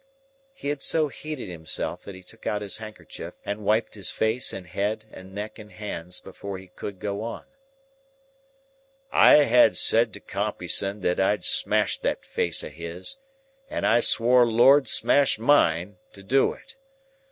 He had so heated himself that he took out his handkerchief and wiped his face and head and neck and hands, before he could go on. "I had said to Compeyson that I'd smash that face of his, and I swore Lord smash mine! to do it.